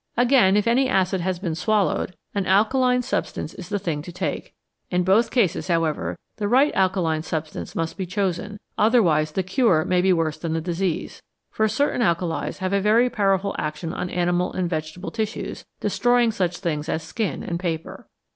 Again, if any acid has been swallowed, an alkaline substance is the thing to take. Iii both cases, however, the right alkaline substance must be chosen, otherwise the cure may be worse than the disease ; for certain alkalis have a very powerful action on animal and vegetable tissues, destroying such things as skin and paper.